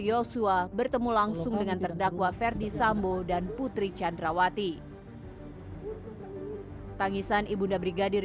yosua bertemu langsung dengan terdakwa ferdi sambo dan putri candrawati tangisan ibunda brigadir